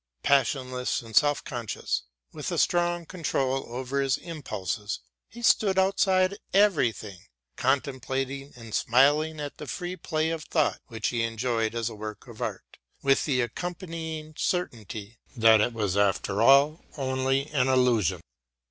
Passionless and self conscious, with a strong control over his impulses, he stood outside everything, contemplating and smiling at the free play of thought which he enjoyed as a work of art, with the accompanying certainly that it was after all only an illusion.